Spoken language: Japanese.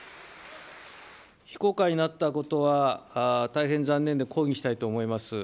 非公開になったことは大変残念で抗議したいと思います。